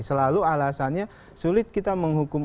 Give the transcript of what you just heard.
selalu alasannya sulit kita menghukum